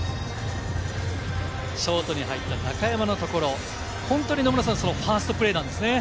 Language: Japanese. ショートに入った中山のところ、本当に野村さん、ファーストプレーなんですね。